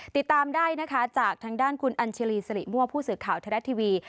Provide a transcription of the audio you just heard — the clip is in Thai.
ติดตามได้นะคะจากทางด้านคุณอัญชรีสิริมั่วผู้สื่อข่าวไทยรัฐทีวี